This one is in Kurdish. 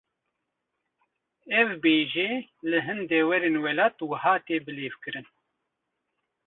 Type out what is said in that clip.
Ev bêje, li hin deverên welat wiha tê bilêvkirin